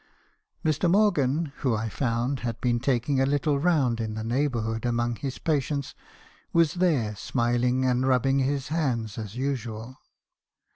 Mr. Morgan (who I found had been taking a little round in the neighbourhood among his pa tients) was there smiling and rubbing his hands as usual.